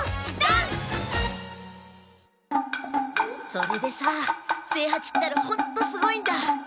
それでさ清八ったらホントすごいんだ！